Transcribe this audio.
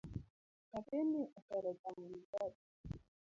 Nyathini ohero chamo mikate